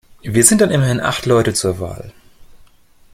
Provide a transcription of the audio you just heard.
Wir sind dann immerhin acht Leute zur Wahl.